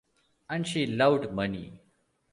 And she loved money.